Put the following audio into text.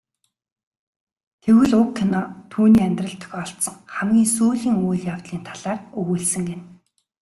Тэгвэл уг кино түүний амьдралд тохиолдсон хамгийн сүүлийн үйл явдлын талаар өгүүлсэн гэнэ.